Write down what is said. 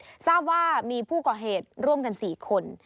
ทราบว่ามีผู้ก่อเหตุร่วมกัน๔คน